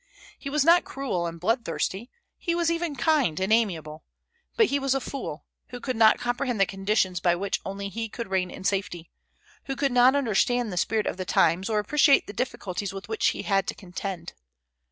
He was not cruel and blood thirsty, he was even kind and amiable; but he was a fool, who could not comprehend the conditions by which only he could reign in safety; who could not understand the spirit of the times, or appreciate the difficulties with which he had to contend.